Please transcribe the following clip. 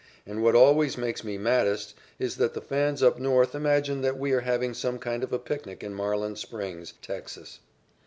And what always makes me maddest is that the fans up North imagine that we are having some kind of a picnic in Marlin Springs, Texas.